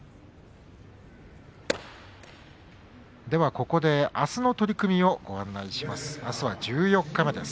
ここであすの取組をご案内します。